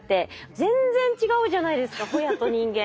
全然違うじゃないですかホヤと人間。